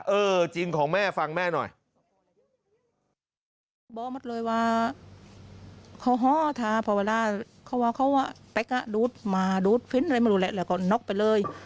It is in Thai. เออจริงของแม่ฟังแม่หน่อย